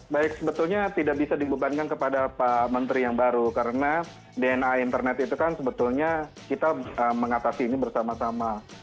baik sebetulnya tidak bisa dibebankan kepada pak menteri yang baru karena dna internet itu kan sebetulnya kita mengatasi ini bersama sama